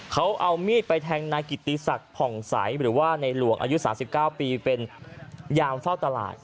เขาเอามีดไปแทงนายกิติศักดิ์ผ่องใสหรือว่าในหลวงอายุ๓๙ปีเป็นยามเฝ้าตลาด